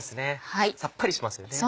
さっぱりしますよね。